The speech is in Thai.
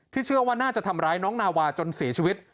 เชื่อว่าน่าจะทำร้ายน้องนาวาจนเสียชีวิต